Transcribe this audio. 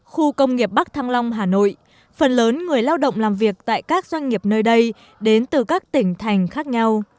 khu công nghiệp bắc thăng long hà nội phần lớn người lao động làm việc tại các doanh nghiệp nơi đây đến từ các tỉnh thành khác nhau